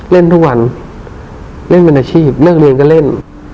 เล่นทุกวันเล่นเป็นอาชีพเลิกเรียนก็เล่น